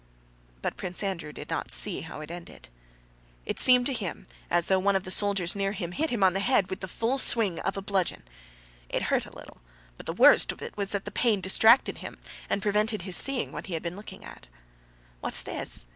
But Prince Andrew did not see how it ended. It seemed to him as though one of the soldiers near him hit him on the head with the full swing of a bludgeon. It hurt a little, but the worst of it was that the pain distracted him and prevented his seeing what he had been looking at. "What's this?